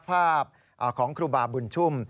ภาพของครูบาบุญชุ่ม